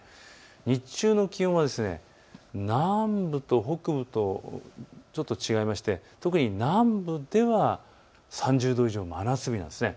日中の気温は南部と北部とちょっと違いまして特に南部では３０度以上、真夏日なんです。